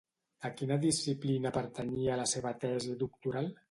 A quina disciplina pertanyia la seva tesi doctoral?